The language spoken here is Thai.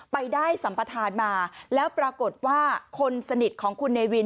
ไปได้สัมปทานมาแล้วปรากฏว่าคนสนิทของคุณเนวิน